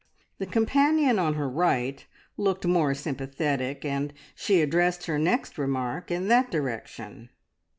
The companion on her right looked more sympathetic, and she addressed her next remark in that direction.